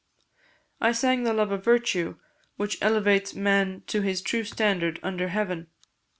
I sang the love of virtue, which elevates man to his true standard under heaven.